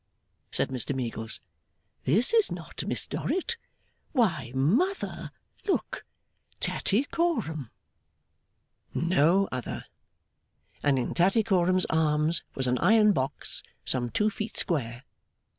said Mr Meagles, 'this is not Miss Dorrit! Why, Mother, look! Tattycoram!' No other. And in Tattycoram's arms was an iron box some two feet square.